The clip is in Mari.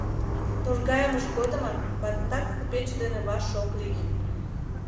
Торгайымыж годымат баттак купеч дене ваш ок лий.